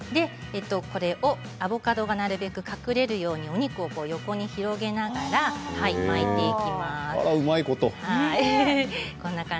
アボカドがなるべく隠れるようにお肉を横に広げながらうまいこと。